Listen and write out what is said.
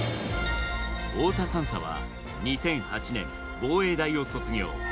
太田３佐は、２００８年、防衛大を卒業。